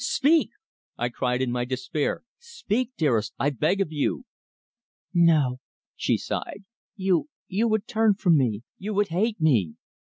Speak!" I cried in my despair, "speak, dearest, I beg of you!" "No," she sighed. "You you would turn from me you would hate me!"